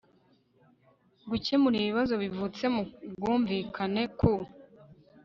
gukemura ibibazo bivutse mu bwumvikane ku